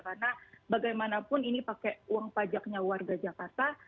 karena bagaimanapun ini pakai uang pajaknya warga jakarta